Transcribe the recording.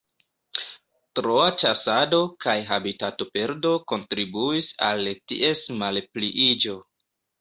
Troa ĉasado kaj habitatoperdo kontribuis al ties malpliiĝo.